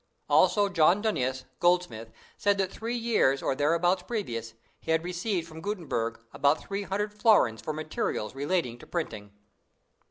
"Also John Dunnius, goldsmith, said that three years or thereabouts previous, he had received from Gutenberg about three hundred florins for materials relating to printing."